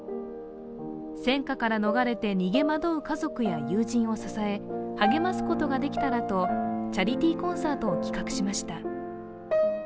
戦火から逃れて逃げ惑う家族や友人を支え励ますことができたらとチャリティーコンサートを企画しました。